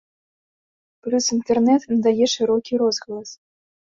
Плюс інтэрнэт надае шырокі розгалас.